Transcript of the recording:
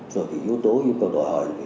rồi thì yếu tố yêu cầu đòi hỏi